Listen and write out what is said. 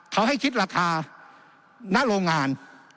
เขาให้คิดราคาณโรงงาน